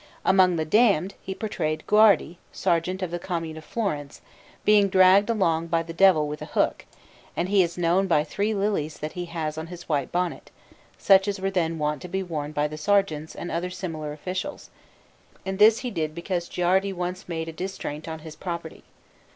Among the damned he portrayed Guardi, serjeant of the Commune of Florence, being dragged along by the Devil with a hook, and he is known by three red lilies that he has on his white bonnet, such as were then wont to be worn by the serjeants and other similar officials; and this he did because Guardi once made distraint on his property.